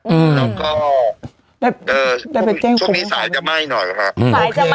อืมแล้วก็เออช่วงนี้สายจะไหม้หน่อยค่ะอืมสายจะมัก